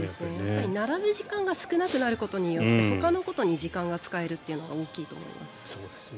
やっぱり、並ぶ時間が少なくなることによってほかのことに時間が使えるというのが大きいと思います。